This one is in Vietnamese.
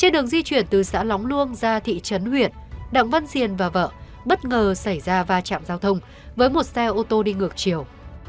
trên đường di chuyển từ xã lóng luông ra thị trấn huyện đặng văn diền và vợ bất ngờ xảy ra va chạm giao thông với một xe ô tô đi ngược chiều